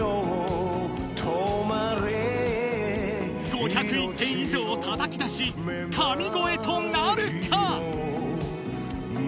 ５０１点以上をたたき出し、神声となるか。